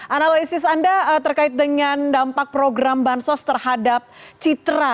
analisis anda terkait dengan dampak program bansos terhadap citra